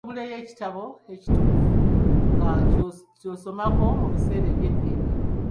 Ojje oguleyo n’ekitabo ekitukuvu nga ky’osomako mu biseera byo eby’eddembe.